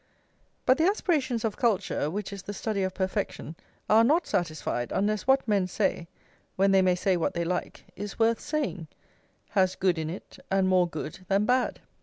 But the aspirations of culture, which is the study of perfection, are not satisfied, unless what men say, when they may say what they like, is worth saying, has good in it, and more good than bad.